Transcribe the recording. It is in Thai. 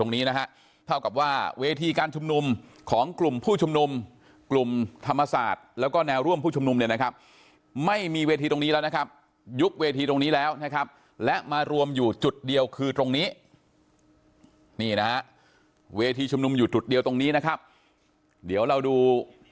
นี่ครับยุบเวทีตรงนี้แล้วนะครับและมารวมอยู่จุดเดียวคือตรงนี้นี่นะเวทีชุมนุมอยู่จุดเดียวตรงนี้นะครับเดี๋ยวเราดู